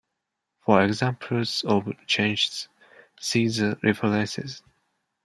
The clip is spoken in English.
For examples of changes, see the references.